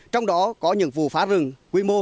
trong đó có những vụ phá rừng quy mô